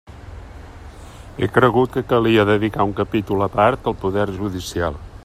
He cregut que calia dedicar un capítol a part al poder judicial.